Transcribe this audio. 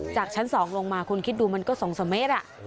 จากชั้นสองลงมาคุณคิดดูมันก็สองสามเมตร